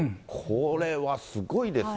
これはすごいですね。